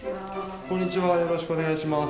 こんにちはよろしくお願いします。